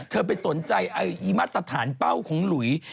เธอไปสนใจไอ้หมาตรฐานเป้าของหลุ่ม